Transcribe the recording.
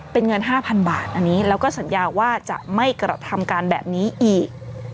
เป็นเงิน๕๐๐๐บาทอันนี้แล้วก็สัญญาว่าจะไม่กระทำการแบบนี้อีก